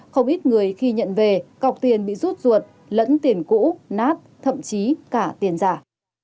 không ít người khi nhận về cọc tiền bị rút ruột lẫn tiền cũ nát thậm chí cả tiền giả